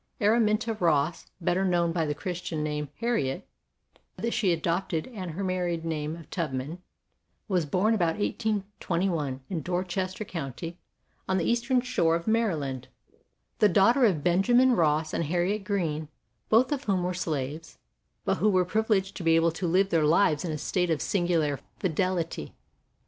Araminta Ross, better known by the Christian name Harriet that she adopted, and her married name of Tubman, was born about 1821 in Dorchester County, on the eastern shore of Maryland, the daughter of Benjamin Ross and Harriet Greene, both of whom were slaves, but who were privi leged to be able to live their lives in a state of singular fidelity.